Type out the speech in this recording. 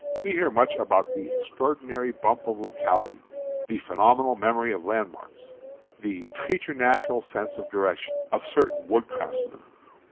We hear much about the J.. . "extraordinary bump of locality," the "phenomenal memory of landmarks," the "preternatural sense of direction," of certain wood craftsmen.